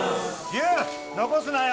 優残すなよ